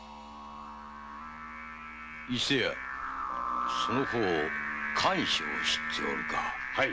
伊勢屋その方甘藷を知っておるか？